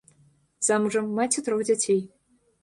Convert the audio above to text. Замужам, маці трох дзяцей.